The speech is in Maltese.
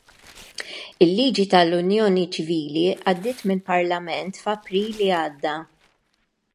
Il-liġi tal-unjoni ċivili għaddiet mill-Parlament f'April li għadda.